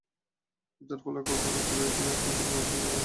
যার ফলে চোখের রেটিনা স্ক্যান করে মোবাইল ফোনের নিরাপত্তা নিশ্চিত করা যাবে।